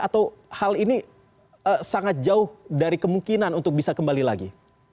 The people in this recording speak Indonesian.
atau hal ini sangat jauh dari kemungkinan untuk bisa kembali lagi